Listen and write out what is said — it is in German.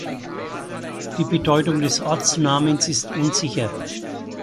Die Bedeutung des Ortsnamens ist unsicher.